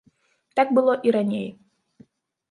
Так было і раней.